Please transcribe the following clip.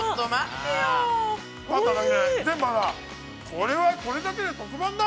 ◆これはこれだけで特番だ。